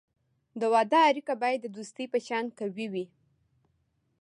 د واده اړیکه باید د دوستی په شان قوي وي.